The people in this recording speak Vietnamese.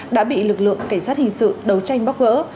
đã bị lực lượng cảnh sát hình sự đấu tranh bóc gỡ